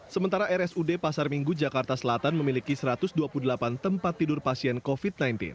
sementara rsud pasar minggu jakarta selatan memiliki satu ratus dua puluh delapan tempat tidur pasien covid sembilan belas